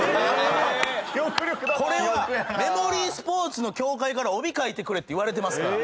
これはメモリースポーツの協会から帯書いてくれって言われてますから。